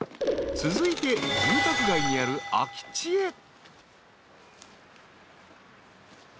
［続いて住宅街にある空き地へ］